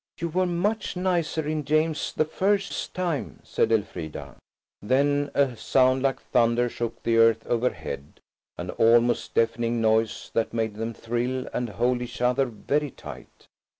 "You were much nicer in James the First's time," said Elfrida. Then a sound like thunder shook the earth overhead, an almost deafening noise that made them thrill and hold each other very tight.